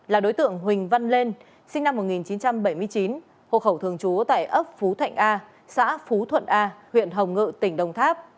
là đối tượng huỳnh văn lên sinh năm một nghìn chín trăm bảy mươi chín hộ khẩu thường trú tại ấp phú thạnh a xã phú thuận a huyện hồng ngự tỉnh đồng tháp